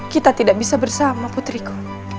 kita tidak bisa bersama putriku